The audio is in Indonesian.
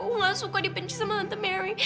aku gak suka dipenci sama tante mary